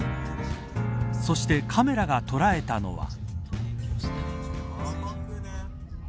そして、カメラが捉えたのは。